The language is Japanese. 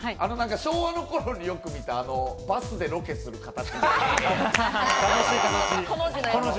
昭和の頃によく見た、バスでロケする形。